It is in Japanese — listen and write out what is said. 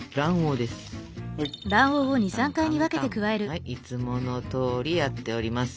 はいいつものとおりやっております。